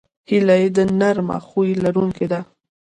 هیلۍ د نرمه خوی لرونکې ده